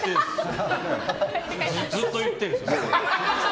ずっと言っているんです。